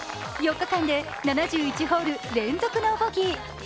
４日間で７１ホール連続ノーボギー。